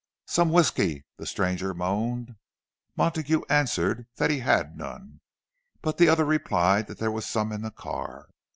"Some whisky," the stranger moaned. Montague answered that he had none; but the other replied that there was some in the car.